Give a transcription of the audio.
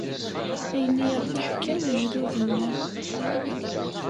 Ayen i aɣ-d-ḥkan lejdud-nneɣ.